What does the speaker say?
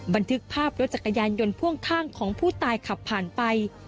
บันทึกภาพรถจักรยานยนต์พ่วงข้างของผู้ตายขับผ่านไป